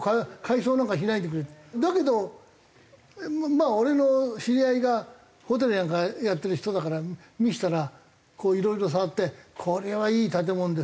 だけどまあ俺の知り合いがホテルなんかやってる人だから見せたらこういろいろ触って「これはいい建物です。